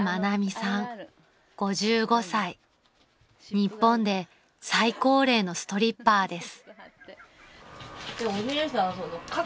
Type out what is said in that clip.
［日本で最高齢のストリッパーです］